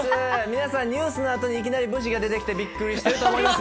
皆さん、ニュースの後にいきなり武士が出てきてびっくりしたと思います。